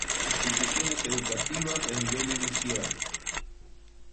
Instituciones Educativas de Nivel Inicial.